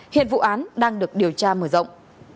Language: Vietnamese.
hiện vụ án đang được điều tra mở rộng